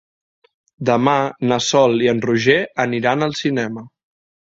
Demà na Sol i en Roger aniran al cinema.